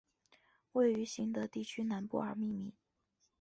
因位于行德地区南部而命名。